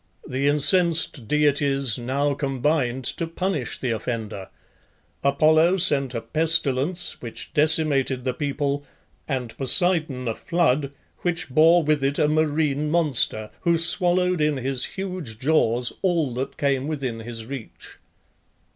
The incensed deities now combined to punish the offender. Apollo sent a pestilence which decimated the people, and Poseidon a flood, which bore with it a marine monster, who swallowed in his huge jaws all that came within his reach.